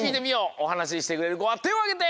おはなししてくれるこはてをあげて！